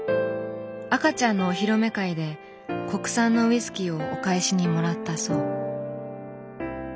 赤ちゃんのお披露目会で国産のウイスキーをお返しにもらったそう。